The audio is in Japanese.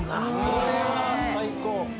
これは最高。